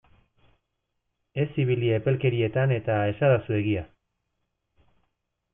Ez ibili epelkerietan eta esadazu egia!